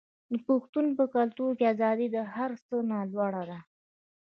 د پښتنو په کلتور کې ازادي تر هر څه لوړه ده.